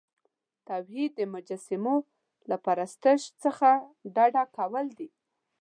توحید د مجسمو له پرستش څخه ډډه کول دي.